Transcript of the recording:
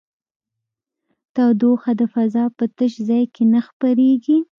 تودوخه د فضا په تش ځای کې نه خپرېږي.